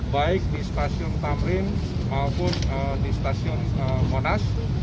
baik di stasiun tamrin maupun di stasiun monas